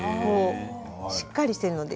しっかりしているので。